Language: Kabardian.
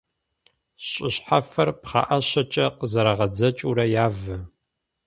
Щӏы щхьэфэр пхъэӏэщэкӏэ къызэрагъэдзэкӏыурэ явэ.